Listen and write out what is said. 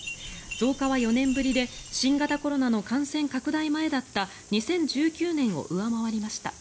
増加は４年ぶりで新型コロナの感染拡大前だった２０１９年を上回りました。